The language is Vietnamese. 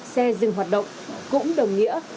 xe dừng hoạt động cũng đồng nghĩa